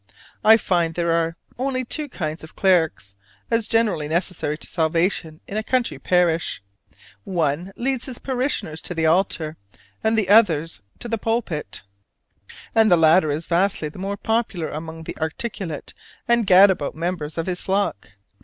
I find there are only two kinds of clerics as generally necessary to salvation in a country parish one leads his parishioners to the altar and the other to the pulpit: and the latter is vastly the more popular among the articulate and gad about members of his flock.